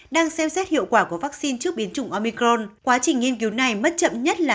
đang xem xét hiệu quả của vaccine trước biến chủng omicron quá trình nghiên cứu này mất chậm nhất là